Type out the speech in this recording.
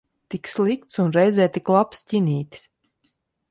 Tik slikts un reizē tik labs ķinītis.